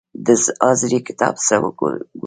د حاضري کتاب څوک ګوري؟